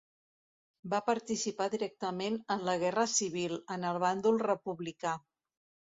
Va participar directament en la Guerra Civil, en el bàndol republicà.